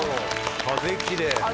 風きれい。